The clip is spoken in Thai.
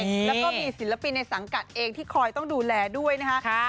แล้วก็มีศิลปินในสังกัดเองที่คอยต้องดูแลด้วยนะคะ